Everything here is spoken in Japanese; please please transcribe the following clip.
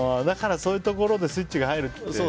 だからそういうところでスイッチが入ると。